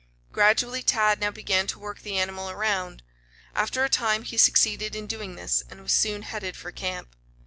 Gradually Tad now began to work the animal around. After a time he succeeded in doing this, and was soon headed for camp.